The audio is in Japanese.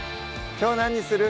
きょう何にする？